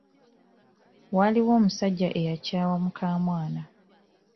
Waaliwo omusajja eyakyawa mukamwana.